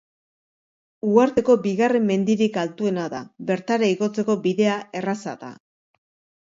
Uharteko bigarren mendirik altuena da, bertara igotzeko bidea erraza da.